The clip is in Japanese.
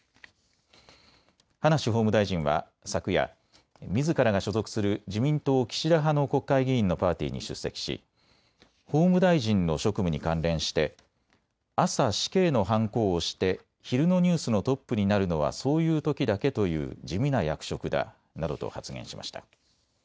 葉梨法務大臣は昨夜、みずからが所属する自民党岸田派の国会議員のパーティーに出席し法務大臣の職務に関連して朝、死刑のはんこを押して昼のニュースのトップになるのはそういうときだけという地味な役職だなどと発言しました。